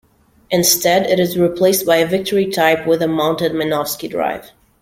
Instead it is replaced by a Victory-type with a mounted Minovsky Drive.